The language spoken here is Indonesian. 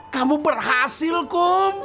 kamu berhasil kum